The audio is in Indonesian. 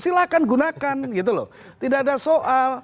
silahkan gunakan tidak ada soal